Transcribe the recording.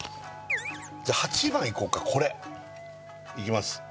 じゃあ８番いこうかこれいきます